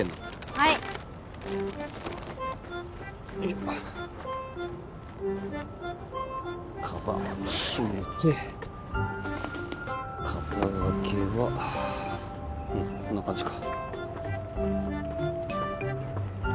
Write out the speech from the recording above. はいカバンを閉めて肩がけはうんこんな感じか